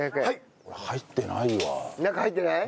俺入ってないわ。